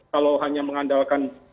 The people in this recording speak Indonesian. kalau hanya mengandalkan